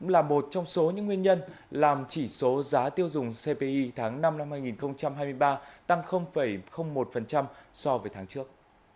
là một trong số những nguyên nhân làm chỉ số giá tiêu dùng cpi tháng năm năm hai nghìn hai mươi ba tăng một so với tháng trước